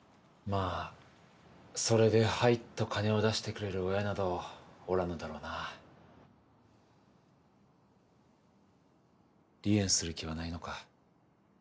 あそれで「はい」と金を出してくれる親などおらぬだろうな離縁する気はないのか？